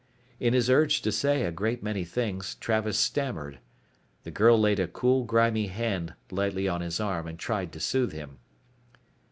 In his urge to say a great many things Travis stammered. The girl laid a cool grimy hand lightly on his arm and tried to soothe him.